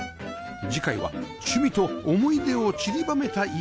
次回は趣味と思い出をちりばめた家